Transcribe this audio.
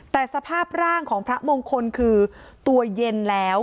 แต่สภาพร่างของพระมงคลคือตัวเย็นแล้ว